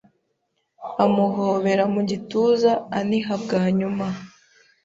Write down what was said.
Amuhobera ku gituza aniha bwa nyuma